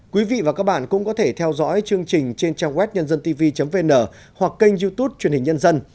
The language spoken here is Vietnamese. quý vị và các bạn cũng có thể theo dõi chương trình trên trang web nhândântv vn hoặc kênh youtube truyền hình nhân dân